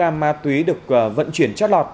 nếu chỉ cần một kg ma túy được vận chuyển chót lọt